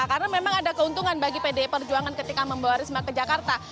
karena memang ada keuntungan bagi pdi perjuangan ketika membawa risma ke jakarta